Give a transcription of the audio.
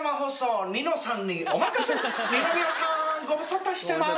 ご無沙汰してます。